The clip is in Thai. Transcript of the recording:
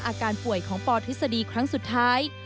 อาการป่วยของปทฤษฎีครั้งสุดท้าย